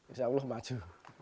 insya allah maju